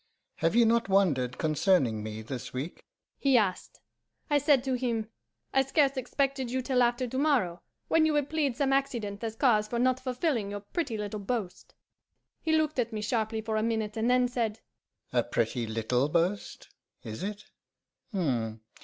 Have you not wondered concerning me this week?' he asked. I said to him, 'I scarce expected you till after to morrow, when you would plead some accident as cause for not fulfilling your pretty little boast.' He looked at me sharply for a minute, and then said: 'A pretty LITTLE boast, is it? H'm!